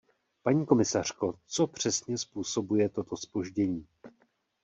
Paní komisařko, co přesně způsobuje toto zpoždění?